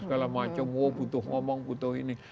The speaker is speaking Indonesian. segala macam oh butuh ngomong butuh ini